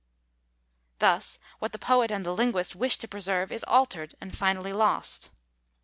Thus what the poet and the linguist wish to preserve is altered, and finally lost.